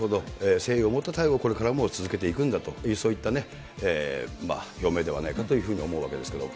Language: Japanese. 誠意を持った対応をこれからも続けていくんだと、そういった表明ではないかというふうに思うわけですけど。